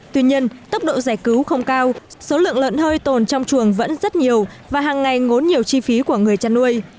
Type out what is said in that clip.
tuy nhiên tốc độ giải cứu không cao số lượng lợn hơi tồn trong chuồng vẫn rất nhiều và hàng ngày ngốn nhiều chi phí của người chăn nuôi